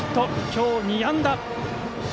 今日２安打。